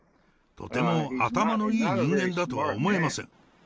とても頭のいい人間だとは思えません。